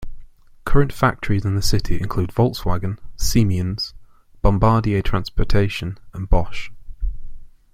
Current factories in the city include Volkswagen, Siemens, Bombardier Transportation, and Bosch.